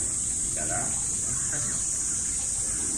Quedar com un senyor.